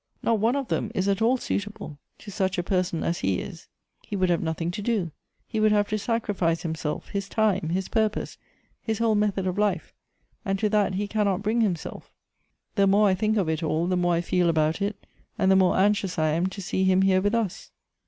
Not one of them is at all suitable to such a person as he is. He would have nothing to do ; he would have to sacrifice himself, his time, his purposes, his whole method of life ; and to that he cannot bring himself The more I think of it all, the more I feel about it, and the more anxious I am to see him here with us."